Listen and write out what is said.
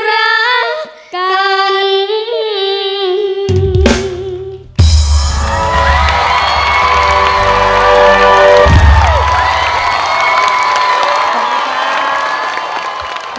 ให้เราทั้งสองนั้นมารักกัน